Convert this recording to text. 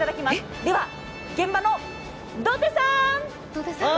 では、現場の土手さん。